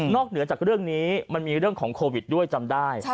เหนือจากเรื่องนี้มันมีเรื่องของโควิดด้วยจำได้